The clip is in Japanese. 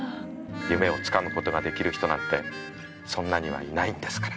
「夢をつかむことができる人なんてそんなにはいないんですから」。